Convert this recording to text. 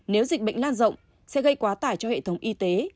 nếu dịch bệnh lan rộng sẽ gây quá tải cho hệ thống y tế